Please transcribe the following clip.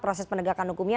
proses penegakan hukumnya